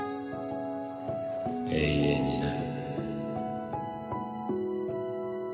永遠にな。